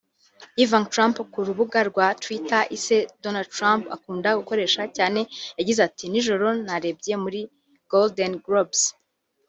Ivanka Trump ku rubuga rwa Twitter Ise Donald Trump akunda gukoresha cyane yagize ati “Nijoro narebye muri #GoldenGlobes